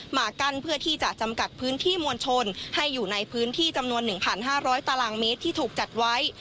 มากั้นเพื่อที่จะจำกัดพื้นที่มวลชนให้อยู่ในพื้นที่จำนวน๑๕๐๐ตารางเมตรที่ถูกจัดไว้